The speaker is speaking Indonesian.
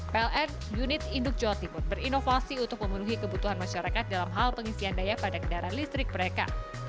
pln unit induk jawa timur berinovasi untuk memenuhi kebutuhan masyarakat dalam hal pengisian daya pada kendaraan listrik mereka